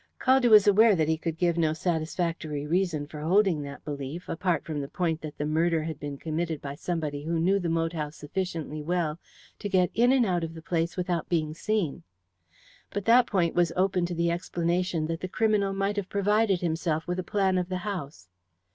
Caldew was aware that he could have given no satisfactory reason for holding that belief, apart from the point that the murder had been committed by somebody who knew the moat house sufficiently well to get in and out of the place without being seen. But that point was open to the explanation that the criminal might have provided himself with a plan of the house.